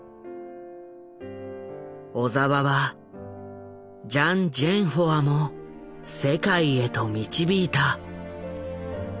小澤はジャン・ジェンホワも世界へと導いた。